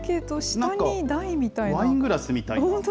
なんか、ワイングラスみたいな。